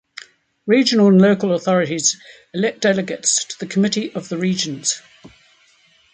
Regional and local authorities elect delegates to the Committee of the Regions.